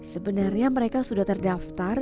sebenarnya mereka sudah terdaftar